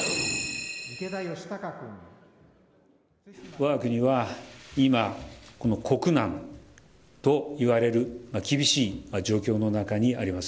わが国は今、国難といわれる厳しい状況の中にあります。